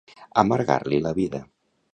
Amargar-li la vida.